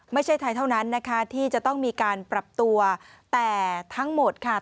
ไม่ใช่ไทยเท่านั้นนะคะที่จะต้องมีการปรับตัวแหมทั้งหมดต้องมีการปรับตัว